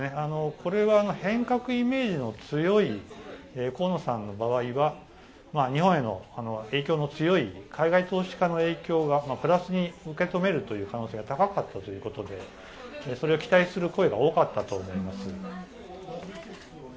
これは、変革イメージの強い河野さんの場合は、日本への影響の強い海外投資家の影響がプラスに受け止めるという可能性が高かったということでそれを期待する声が多かったと思います。